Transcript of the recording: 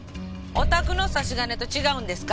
お宅の差し金と違うんですか？